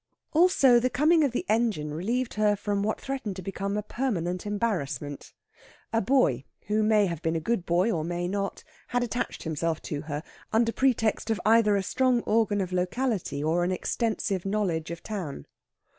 Also the coming of the engine relieved her from what threatened to become a permanent embarrassment. A boy, who may have been a good boy or may not, had attached himself to her, under pretext of either a strong organ of locality or an extensive knowledge of town.